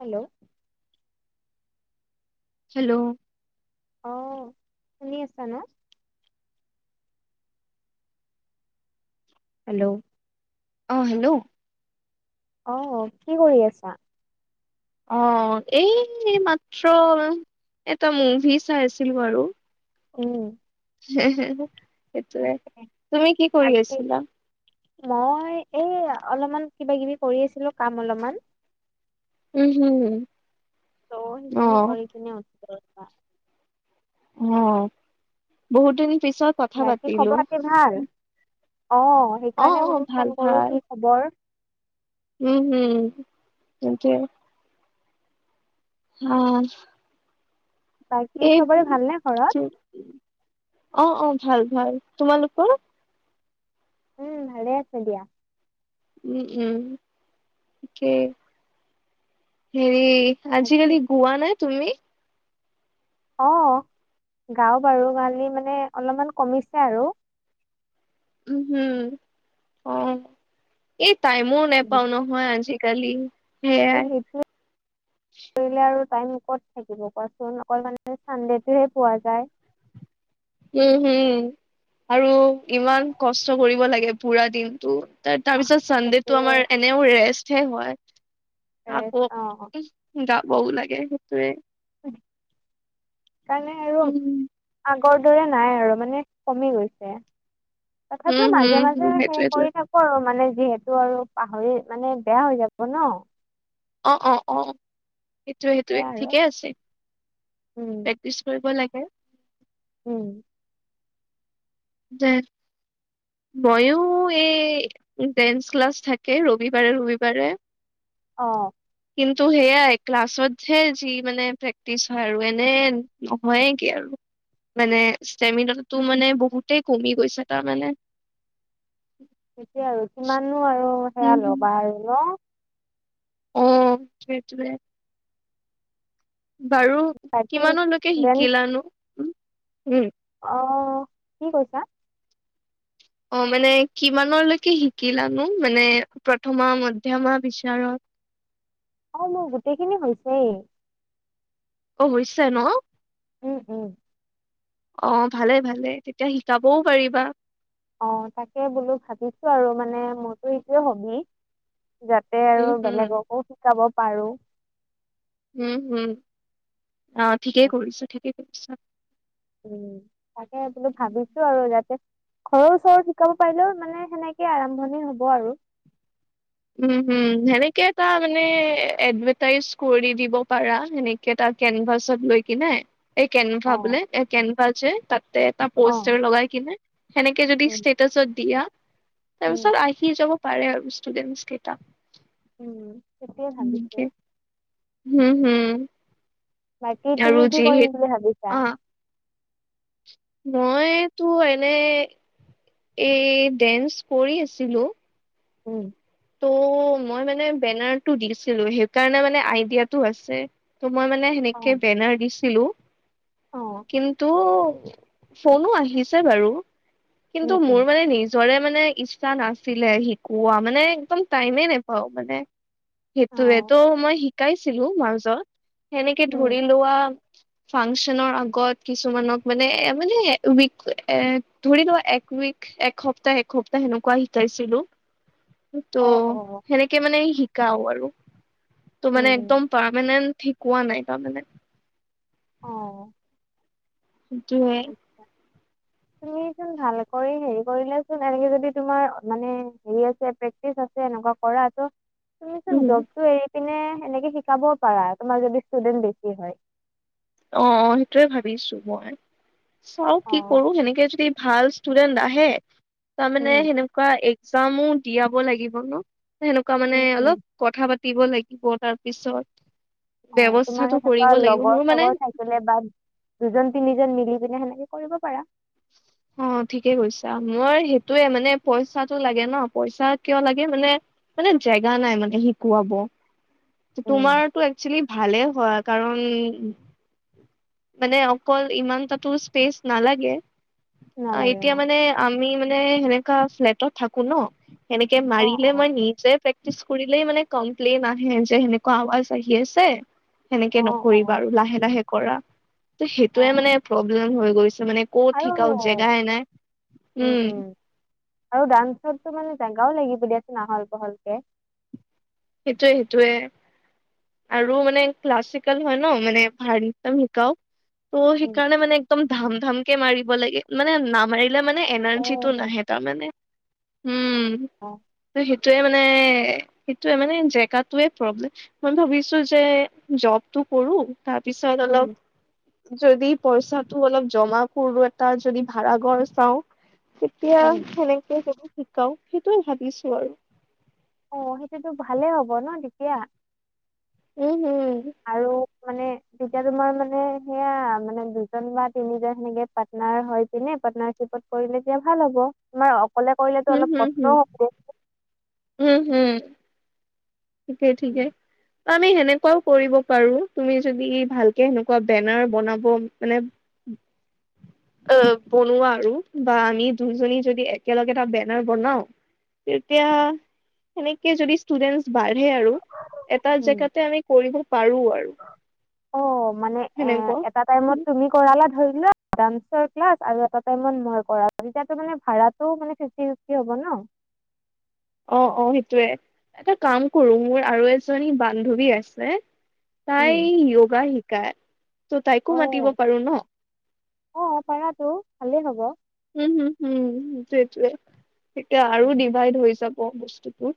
Hello? [inaudible] Hello? অ, শুনি আছা ন। হেল্ল'? অঁ, হেল্ল' অ', কি কৰি আছা? অ, এই মাত্ৰ এটা মুভি চাই আছিলো আৰু। উম সেইটোৱে, তাকে তুমি কি কৰি তাকে আছিলা? মই এই অলপমান কিবা, কিবি কৰি আছিলো কাম অলপমান। উম, হুম, উম। ত সেইখিনি কৰি কিনে উঠিছো ৰৱা। অ, বহুত দিন পিছত। কথা বাকী পাতিলো খবৰ পাতি ভাল অ, অ সেইকাৰণে অ মই তোক ভাল ফোন কৰো ভাল কি খবৰ। উম, হম, সেইটোৱে। উম। বাকী এই চবৰে ভালনে ঘৰত অ', অ', ভাল, ভাল তোমালোকৰ? উম, ভালে আছ দিয়া। উম, উম ঠিকে হেৰি বাকী আজিকালি গোৱা নাই তুমি? অ', গাওঁ বাৰু গালি মানে অলপমান কমিছে আৰু। উম, হম, অ' এই টাইমো নেপাও ন মই আজিকালি। এই সেয়াই হেইটোৱে। কৰিলে আৰু টাইম ক'ত থাকিব কোৱাচোন, অকল মানে চানডেটো হে পোৱা যায়। উম, হম, আৰু ইমান কষ্ট কৰিব লাগে পুৰা দিনটো। অহ তাৰপিছত চানডেটো সেইটোৱে আমাৰ এনে ৰেষ্ট হে হয়। ফ্ৰেছ অ', আকৌ যাবও লাগে সেইটোৱে। [inaudible] কাৰণে উম, উম। আগৰ দৰে নাই আৰু মানে কমি গৈছে। তথাপিও উম হম মাজে হম মাজে সেই সেইটোৱেটোৱে কৰি থাক কৰো মানে যিহেতু আৰু পাহৰি মানে বেয়া হৈ যাব ন। অ', অ', অ', সেইটোৱে সেইটোৱে সেয়া আৰু ঠিকেই আছে। উম। পিছ কৰিব লাগে। উম। [inaudible] মইয়ো এই ডেন্স ক্লাছ থাকে ৰবিবাৰে ৰবিবাৰে। অ'। কিন্তু সেইয়ে ক্লাছতহে যি মানে প্ৰেক্টিচ হয় আৰু এনে নহয় কি আৰু। মানে ষ্টেমিনাটো মানে বহুতেই কমি গৈছে তাৰমানে। সেইটোৱে আৰু কিমানো আৰু সেয়া হম। ল'বা আৰু ন! অ', সেইটোৱে। বাৰু বাকী কিমানলৈকে দেন শিকিলানো? উম! অ', কি কৈছা? অ', মানে কিমানলৈকে শিকিলানো মানে প্ৰথমা মধ্যমা বিচাৰত? অ', মোৰ গোটেইখিনি হৈছেই। অ', হৈছে ন! উম, উম। অ', ভালে ভালে তেতিয়া শিকাবও পাৰিবা। অ', তাকে বোলো ভাবিছো আৰু মানে মোৰতো এইটোয়ে হবি। যা তে উম, আৰু হুম, বেলেগকো শিকাব পাৰো। উম, উম! আহ ঠিকেই কৰিছা ঠিকেই কৰিছা। উম, তাকে বোলো ভাবিছো আৰু যাতে সৰু চৰু শিকাব পাৰিলেও মানে সেনেকে আৰম্ভণি হ'ব আৰু। উম, হম, সেনেকে এটা মানে এডভাৰটাইজ কৰি দিব পাৰা সেনে কেটা কেনভাচত লৈ কিনে। এই অ, কেনভা বোলে এ কেনভা যে তাতে এটা অ, প'ষ্টাৰ লগাই কিনে সেনেকে যদি উম, ষ্টেটাচত দিয়া উম, তাৰপিছত আহি যাব পাৰে আৰু ষ্টুডেন্টচ কেইতা। উম, সেইটোৱে ভাবিছোঁ। হম, হম। বাকি আৰু তুমি কি কৰিম যিহেত বুলি ভাবিছা? অ মইতো এনে এই ডেন্স কৰি আছিলোঁ। উম। ত' মই মানে বেনাৰটো দিছিলো সেইকাৰণে মানে আইডিয়াটো আছে। ত' মই মানে অ, সেনেকে বেনাৰ দিছিলো অ, কিন্তু ফোনো আহিছে বাৰু কিন্তু উম, উম, মোৰ মানে নিজৰে মানে ইচ্ছা নাছিলে শিকোৱা মানে একদম টাইমে নোপাও মানে, অ, সেইটোয়েতো মই শিকাইছিলো মাজত। সেনেকে উম, ধৰি লোৱা ফাংচনৰ আগত কিছুমানক মানে মানে উইক এ, ধৰি লোৱা এক উইক এসপ্তাহ একসপ্তাহ সেনেকুৱা শিকাইছিলো। সেইটো অ, অ, সেনেকে মানে শিকাও আৰু। ত' উম, মানে উম, একদম পাৰমানেন্ট শিকোৱা নাই তাৰমানে। অ'। [unintelligible] [inaudible] তুমিচোন ভাল কৰি হেৰি কৰিলেচোন এনেকে যদি তোমাৰ মানে হেৰি আছে টিছ আছে এনেকুৱা কৰা ত' তুমিচোন উম জবটো এৰি পিনে সেনেকে শিকাবও পাৰা, তোমাৰ যদি ষ্টুডেন্ট বেছি হয়। অ', অ' সেইটোয়ে ভাবিছোঁ মই, চাও কি অ, কৰোঁ সেনেকে যদি ভাল ষ্টুডেন্ট আহে তাৰমানে উম, সেনেকুৱা এক্সামো দিয়াব লাগিব ন'? সেনে কুৱা মানে উম, উম, অলপ কথা পাতিব লাগিব, তাৰপিছত অ', তোমাৰ ব্যৱস্থাটো সেনেকুৱা কৰিব লাগিব। লগৰ মোৰ মানে চগৰ বা দুজন তিনিজন মিলি পিনে সেনেকে কৰিব পাৰা। অ' ঠিকে কৈছা মোৰ সেইটোয়ে মানে পইচাটো লাগে ন' পইচা কিয় লাগে মানে মানে জেগা নাই মানে শিকোৱাব। উম, তোমাৰতো একচুৱেলি ভালে হয় কাৰণ মানে অকল ইমান তাতো স্পেচ নালাগে, নালাগে এতিয়া অ', মানে আমি মানে সেনেকা ফ্লেটত থাকো ন' সেনেকে অ', মাৰিলে অ', মই নিজে প্ৰেক্টিচ কৰিলেই মানে কমপ্লেইন আহে যে সেনেকুৱা আৱাজ আহি আছে। সেনেকে অ', নকৰিবা অ', আৰু লাহে লাহে কৰা। ত' সেইটোৱে মানে অ', প্ৰব্লেম হৈ গৈছে মানে ক'ত আৰু শিকাওঁ জেগাই নাই, উম। আৰু ডান্সৰটো মানে জেগাও লাগিব দিয়াচুন আহল বহলকে। সেইটোৱে সেইটোৱে। আৰু মানে ক্লাছিকেল হয় ন' মানে ভালকে শিকাও। ত' উম, সেইকাৰণে মানে একদম ধাম ধাম কে মাৰিব লাগে মানে নামাৰি লে মানে এনৰ্জিটো অ', নাহে তাৰমানে, হুম। অ'। ত' সেইটোৱে মানে সেইটোয়ে মানে জেগাটোয়ে প্ৰব্লেম। মই ভাবিছোঁ যে জবটো কৰো তাৰপিছত উম, অলপ যদি পইচাটো অলপ জমা কৰোঁ, এটা যদি ভাড়াঘৰ চাওঁ। তেতিয়া উম, সেনেকে যদি শিকাও সেইটোৱে ভাবিছোঁ আৰু। অ' সেইটোতো ভালে হ'ব ন' তেতিয়া। উম, উম। আৰু মানে তেতিয়া তোমাৰ মানে সেয়া মানে দুজন বা তিনিজন সেনেকে পাৰ্টনাৰ হয় পিনে পাৰ্টনাৰ গ্ৰুপত কৰিলে তেতিয়া ভাল হ'ব, তোমাৰ অকলে কৰিলেতো অলপ কষ্টও হ'ব। হুম, হুম, ঠিকেই হ'ব। ঠিকেই। আমি সেনেকুৱাও কৰিব পাৰো, তুমি যদি ভালকে সেনেকুৱা বেনাৰ বনাব মানে অ' বনোৱা আৰু বা আমি দুইজনী যদি একেলগে এটা বেনাৰ বনাও তেতিয়া সেনেকে যদি ষ্টুডেন্ট বাঢ়ে আৰু এটা উম। জেগাতে আমি কৰিব পাৰোঁ আৰু। অ' মানে এ, সেনেকুৱা এটা টাইমত তুমি কৰালা ধৰি লোৱা ডান্সৰ ক্লাছ আৰু এটা টাইমত মই কৰালো তেতিয় মানে ভাড়াটো মামে ফিফটি ফিফ টি হ'ব ন'? অ', অ', সেইটোৱে এটা কাম কৰো মোৰ আৰু এজনী বান্ধৱী আছে তাই উম। য়োগা শিকায় ত' তাইকো অ মাতিব পাৰো ন। অ', পাৰাতটো ভালেই হ'ব। উম, হম হুম, সেইটোৱে এতিয়া উম, আৰু ডিভাইড হৈ যাব বস্তুটো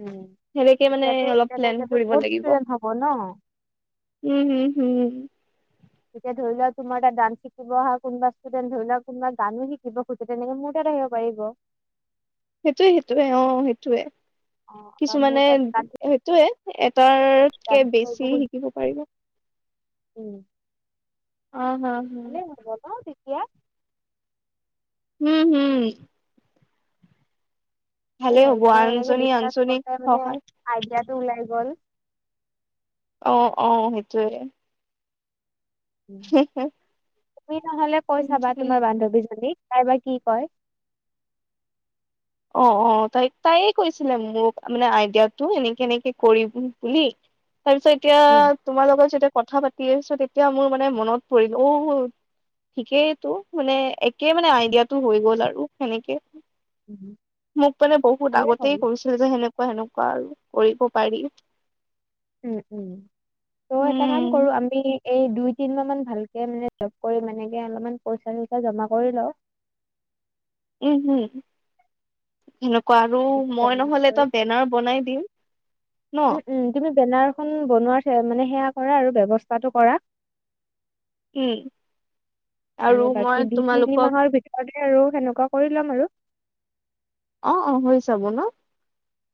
উম। সেনেকে মানে তেতিয়াতো অলপ প্লেন তেনেকেতো কৰিব বহুত লাগিব। ষ্টুডেন্ট হ'ব ন? উম, উম, উম। তেতিয়া ধৰি লওক তোমাৰ ডান্স শিকিব অহা কোনবা ষ্টুডেণ্ট ধৰি লওক কোনবা গানো শিকিব তেনেকে মোৰ তাত আহিব পাৰিব। সেইটোয়ে সেইটোয়ে অ সেইটোৱে অ বা মোৰ কিছুমানে তাত ডান্স সেইটোয়ে এটাৰতকে ডান্স বেছি শিকিব পাৰিব। উম হা হা ভালেই হ'ব ন তেতিয়া। উম হম। এ ভালেই হ'ল হ'ব আনজনী আনজনীক সহায় আইডাতো ওলাই গ'ল। অ', অ', সেইটোয়ে তুমি নহ'লে কৈ চাবা তোমাৰ বান্ধৱী জনীক তাই বা কি কয় অ', অ', তাই তাইে কৈছিলে মোক মানে আইডিয়াটো এনেকে, এনেকে কৰিম বুলি তাৰ পিছত এতিয়া উম। তোমাৰ লগত যেতিয়া কথা পাতি আছোঁ তেতিয়া মোৰ মানে মনত পৰিল অ' ঠিকেইতো মানে একে মানে আইডিয়াটো হৈ গ'ল আৰু সেনেকে উম। মোক মানে বহুত আগতেই কৈছিল যে সেনেকুৱা সেনেকুৱা আৰু কৰিব পাৰি উম, উম ত' এটা কাম উম কৰো আমি এই দুই তিন মাহ মান ভালকে মানে জপ কৰি মানেকে অলপমান পইচা চইচা জমা কৰি লও উম, উম। এনেকুৱা আৰু এনেকে মই জমা নহ'লে কৰি এটা বেনাৰ বনাই দিম ন। উম, উম তুমি বেনাৰ খন বনোৱাৰ মানে সেৱয়া কৰা আৰু ব্যৱস্থাটো কৰা। এই আৰু বাকী দুই তিনি মাহৰ ভিতৰ আৰু সেনেকুৱা কৰি লম আৰু অ', অ', হৈ যাব ন।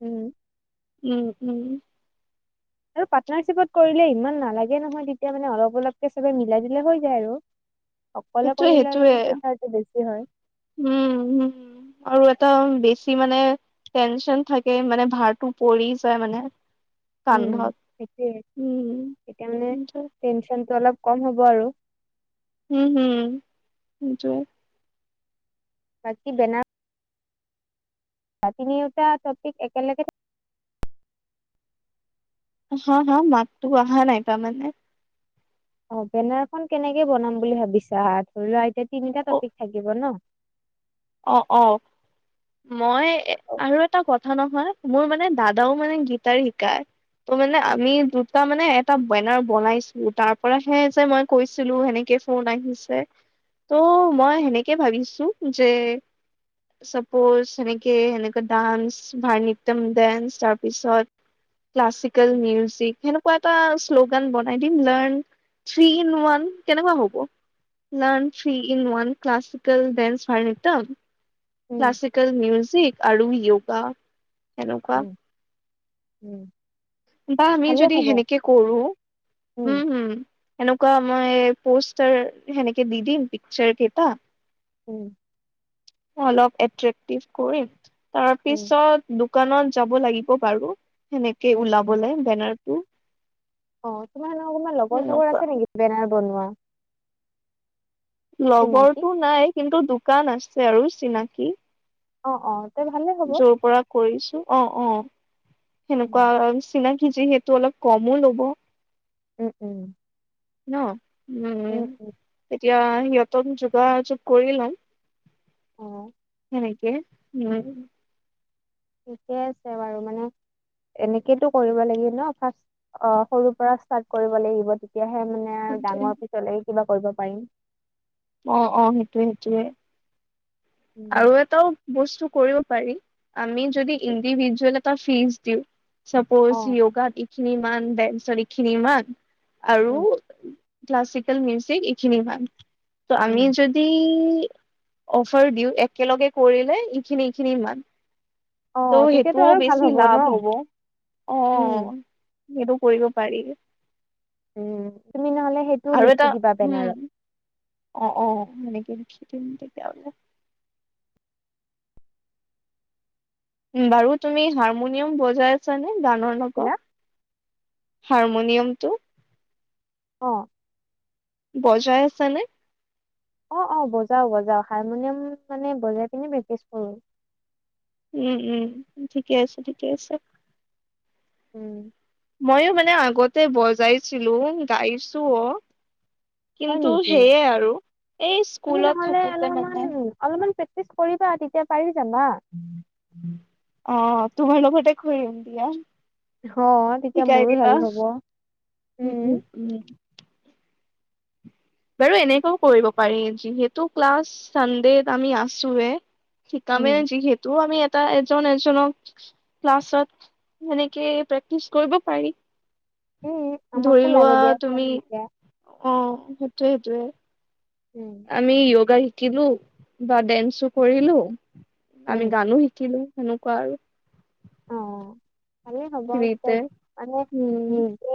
উম। উম, উম। আৰু পাৰ্টনাৰশ্বিপত কৰিলে ইমান নালাগে নহয় তেতিয়া মানে অলপ অলপকে সবে মিলাই দিলে হৈ যায় আৰু অকলে সেইটোয়ে কৰিলে অল সেইটোয়ে পইচাটো বেছি হয়। উম হম আৰু এটা বেছি মানে টেনচন থাকে মানে ভাৰটো পৰি যায় মানে উম। কান্ধত সেইটোয়ে উম। টেনচন টো অলপ কম হ'ব আৰু উম, হ'ম সেইটোৱে। বাকি বেনাৰ তিনিওটা ট'পিক একেলগে হা, হা মাত তো আহা নাই তা মানে অ', বেনাৰখনন কেনেকে বনাম বুলি ভাবিছা ধৰি লোৱা এতিয়া তিনিটা অ ট'পিক থাকিব ন। অ', অ'। মই আৰু এটা কথা নহয় মোৰ মানে দাদাও মানে গীটাৰ শিকায়। ত' মানে আমি দুটা মানে এটা বেনাৰ বনাইছোঁ তাৰ পৰাহে যে মই কৈছিলোঁ সেনেকে ফোন আহিছে ত' মই সেনেকে ভাবিছোঁ যে চাপোজ সেনেকে সেনেকা ডান্স ভাৰত নৃত্যম ডেন্স তাৰপিছত ক্লাছিকেল মিউজিক হে ন এটা শ্লোগান বনাই দিম লাৰ্ণ থ্ৰী ইন ওৱান কেনেকুৱা হ'ব? লন ফ্ৰী ইন ন ক্লাছিকেল ডেন্স ভণিত উম ক্লাছিকেল মিউজিক আৰু য়োগা তেনেকুৱা। উম, উম, বা আমি ভালে যদি হ'ব সেনেকে কৰো উম হম। এনেকুৱা মই পষ্টাৰ সেনেকে দি দিম পিকচাৰ কেইটা। উম। অলপ [unintelligible] কৰি উম তাৰপিছত দোকানত যাব লাগিব বাৰু। সেনেকে উম উম। ওলাবলৈ বেনাৰ টো। অ' তোমাৰ অকমান লগৰ চাগৰ সেনেকুৱা আছে নেকি বেনাৰ বনোৱা। চিনাকি? লগৰটো নাই কিন্তু দোকান আছে আৰু চিনাকি। অ' অ' তে ভালেই হ'ব। যৰ পৰা কৰিছো অ' অ' উম। সেনেকুৱা চিনাকি যিহেতু অলপ কমো ল'ব। উম উম। ন উম এতিয়া সিহঁতক যোগাযোগ কৰি লম। অ'। নেকি উম। ঠিকে আছে বাৰু মানে। এনেকেতো কৰিব লাগিব ন ফাৰ্ষ অ' সৰু পৰা ষ্টাৰ্ট কৰিব লাগিব। তেতিয়াহে মানে সেইটোৱে ডাঙৰ পিছলে কিবা কৰিব পাৰিম। অ' অ' সেইটোৱে সেইটোৱে। উম। আৰু এটাও বস্তু কৰিব পাৰি আমি যদি ইণ্ডিভিজুৱেল এটা ফিজ দিওঁ। চাপ'জ অ য়োগাত এইখিনি মান, ডেন্সত এইখিনি মমান আৰু উম ক্লাছিকেল মিউজিক এইখিনি মাম, ত' আমি উম যদি অফাৰ দিওঁ একেলগে কৰিলে এইখিনি এইখিনিমান। অ ত' তেতিয়াতো সেইটোও আৰু ভাল বেছি লাভ ন হব উম। অহ'। সেইটো কৰিব পাৰি। উম তুমি নহ'লে সেইটো লিখি দিবা বেনাৰত। অঁ অঁ এনেকৈ লিখি দিম তেতিয়াহ'লে। বাৰু তুমি হাৰমনিয়াম বজাই আছানে গানৰ ছিলা লগত? হাৰমনিয়ামটো। অ'। বজাই আছা নে? অ' অ' বজাও বজাও হাৰমনিয়াম মানে বজাই পিনে প্ৰেক্টিচ কৰো। উম উম ঠিকে আছে ঠিকে আছে। উম। ময়ো মানে আগতে বজাইছিলো গাইছো অ'। হয় কিন্তু নেকি সেইয়ে আৰু এই তুমি স্কুলত নহ'লে থাকোতে অলপমান মানে। অলপমান প্ৰেক্টিছ কৰিবা তেতিয়া পাৰি যাবা। অ' তোমাৰ লগতে কৰিম দিয়া। হ' তেতিয়া শিকাই মোৰো দিবা হেল্প হ'ব উম। উম। বাৰু এনেকৈও কৰিব পাৰি যিহেতু ক্লাছ চানডেত আমি আছোৱে। উম শীকামে যিহেতু আমি টা এজন এজনক ক্লাছত এনেকে প্ৰেক্টিচ কৰিব পাৰি। উম ধৰি আমাকো লোৱা লাগে দিয়াচোন তুমি এতিয়া। অ' সেইটোৱে সেইটোৱে। উম। আমি য়োগা শিকিলো, বা ডেন্সো কৰিলো, উম, আমি গানো শিকিলো। সেনেকুৱা আৰু। অ' ভালে হ'ব তেতিয়া ফ্ৰীতে মানে উম। নিজে